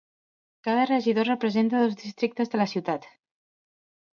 Cada regidor representa dos districtes de la ciutat.